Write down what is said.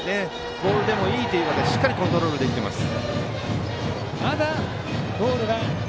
ボールでもいいということでしっかりコントロールできています。